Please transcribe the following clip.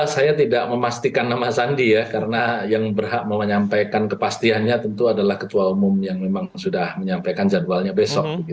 saya tidak memastikan nama sandi ya karena yang berhak mau menyampaikan kepastiannya tentu adalah ketua umum yang memang sudah menyampaikan jadwalnya besok